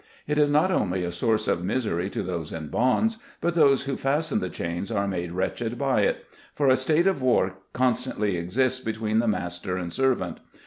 It is not only a source of misery to those in bonds, but those who fasten the chains are made wretched by it ; for a state of war constantly exists between the master and servant.